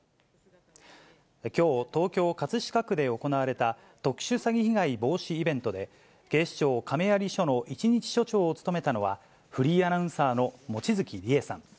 きょう、東京・葛飾区で行われた、特殊詐欺被害防止イベントで、警視庁亀有署の一日署長を務めたのは、フリーアナウンサーの望月理恵さん。